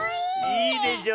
いいでしょ。